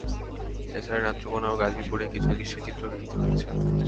এছাড়া নেত্রকোণা ও গাজীপুরে কিছু দৃশ্যের চিত্র গৃহীত হয়েছে।